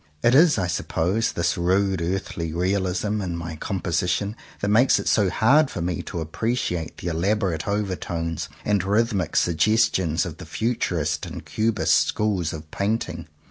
It is, I suppose, this rude earthy realism in my composition that makes it so hard for me to appreciate the elaborate over tones and rhythmic suggestions of the Futurist and Cubist schools of painting.